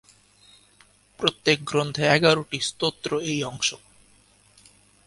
প্রত্যেক গ্রন্থে এগারোটি স্তোত্র এই অংশ।